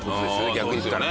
逆に言ったら。